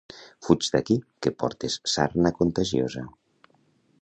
¡Fuig d'aquí, que portes sarna contagiosa!